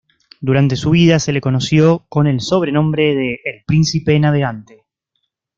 Durante su vida se le conoció con el sobrenombre de "el Príncipe navegante".